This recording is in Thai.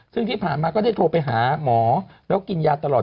ซึ่งที่ผ่านมาก็ได้โทรไปหาหมอแล้วกินยาตลอด